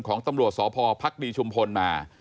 ของตำรวจสพภักดีชุมพลมา